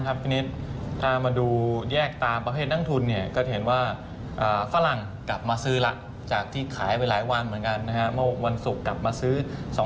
หลายวันเหมือนกันนะครับวันศุกร์กลับมาซื้อ